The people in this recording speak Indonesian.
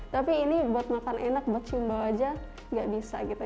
tapi ini buat makan enak buat cium bau aja gak bisa gitu